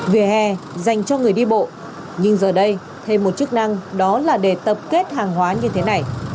về hè dành cho người đi bộ nhưng giờ đây thêm một chức năng đó là để tập kết hàng hóa như thế này